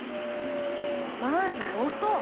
まず音！